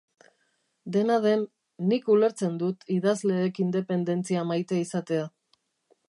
Dena den, Nik ulertzen dut idazleek independentzia maite izatea.